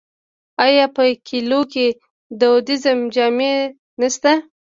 آیا په کلیو کې دودیزې جامې نشته؟